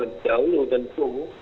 lebih jauh tentu